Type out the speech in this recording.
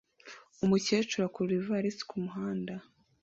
Umukecuru akurura ivalisi kumuhanda